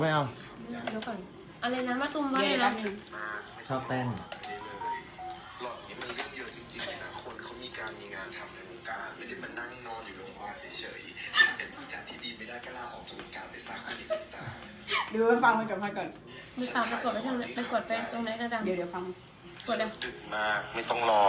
เมื่อวานข้อยอยู่บนห้องตลอดไง